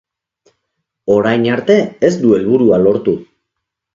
Orain arte ez du helburua lortu.